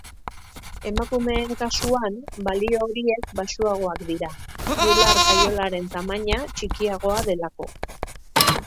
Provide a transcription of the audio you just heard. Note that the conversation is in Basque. Emakumeen kasuan, balio horiek baxuagoak dira, bular-kaiolaren tamaina txikiagoa delako.